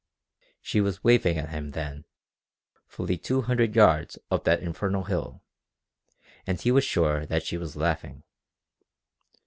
She was waving at him then, fully two hundred yards up that infernal hill, and he was sure that she was laughing.